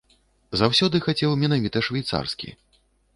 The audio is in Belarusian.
Заўсёды хацеў менавіта швейцарскі.